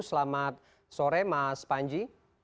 selamat sore mas panji